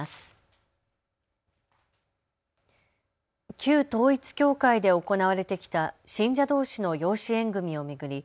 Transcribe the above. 旧統一教会で行われてきた信者どうしの養子縁組みを巡り